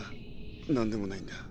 なんでもないんだ。